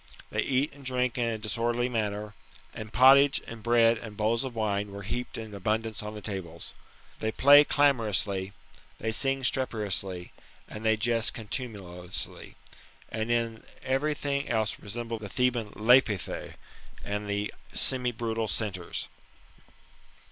They eat and drink in a disorderly manner, and pottage, and bread, and bowls of wine, were heaped in abundance on the tables. They play qlamorously, they sing streperously, and they jest contumeliously, and in every thing else resemble the Theban Lapithse, and the semi brutal Centaurs.